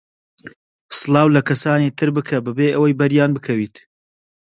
سڵاو لە کەسانی تر بکە بەبێ ئەوەی بەریان بکەویت.